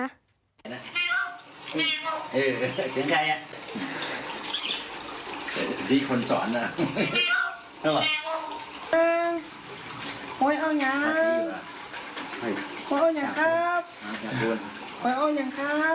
สามต้นสามต้น